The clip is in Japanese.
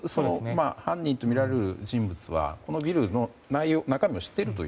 犯人とみられる人物はこのビルの中身を知っていると。